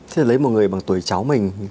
thế là lấy một người bằng tuổi cháu mình